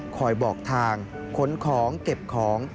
คอยบอกทางค้นของเก็บของ